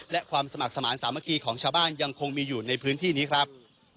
และความสมัครสมาธิสามัคคีของชาวบ้านยังคงมีอยู่ในพื้นที่นี้ครับ